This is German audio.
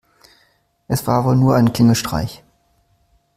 Es war wohl nur ein Klingelstreich.